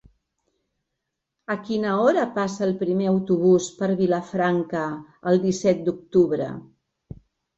A quina hora passa el primer autobús per Vilafranca el disset d'octubre?